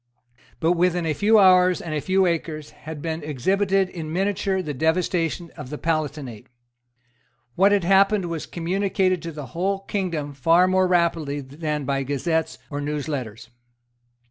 But within a few hours and a few acres had been exhibited in miniature the devastation of the Palatinate. What had happened was communicated to the whole kingdom far more rapidly than by gazettes or news letters.